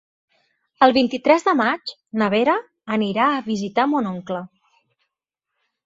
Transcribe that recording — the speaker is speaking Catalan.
El vint-i-tres de maig na Vera anirà a visitar mon oncle.